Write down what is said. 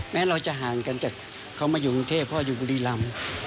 แม้เราจะห่างกันจากเขามาอยู่กรุงเทพเพราะอยู่บุรีรำ